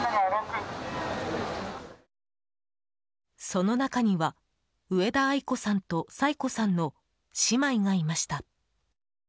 その中には植田愛子さんと彩子さんの姉妹がいました。